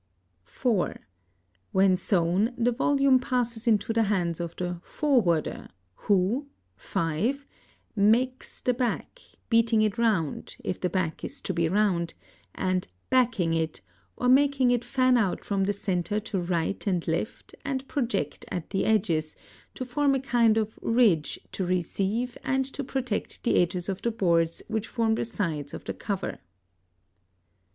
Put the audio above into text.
(4) When sewn the volume passes into the hands of the "forwarder," who (5) "Makes" the back, beating it round, if the back is to be round, and "backing" it, or making it fan out from the centre to right and left and project at the edges, to form a kind of ridge to receive and to protect the edges of the boards which form the sides of the cover.